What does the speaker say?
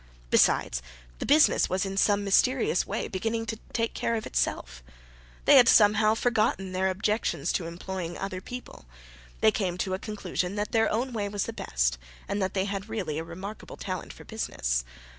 Besides, the business was in some mysterious way beginning to take care of itself. They had somehow forgotten their objections to employing other people. They came to the conclusion that their own way was the best, and that they had really a remarkable talent for business.